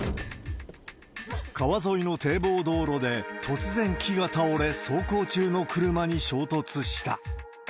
川沿いの堤防道路で突然、木が倒れ、走行中の車に衝突した。